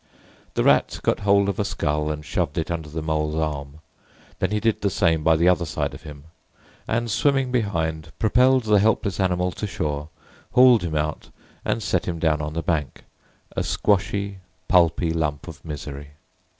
The Rat got hold of a scull and shoved it under the Mole's arm; then he did the same by the other side of him and, swimming behind, propelled the helpless animal to shore, hauled him out, and set him down on the bank, a squashy, pulpy lump of misery.